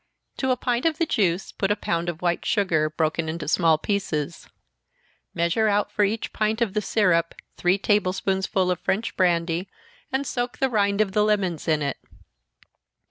To a pint of the juice put a pound of white sugar, broken into small pieces. Measure out for each pint of the syrup three table spoonsful of French brandy, and soak the rind of the lemons in it.